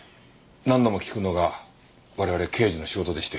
何度も聞くのが我々刑事の仕事でして。